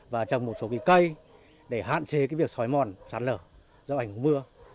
và trồng một số kỳ cây để hạn chế việc xói mòn sạt lở do ảnh mưa